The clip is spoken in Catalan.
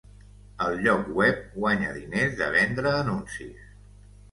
El lloc web guanya diners de vendre anuncis.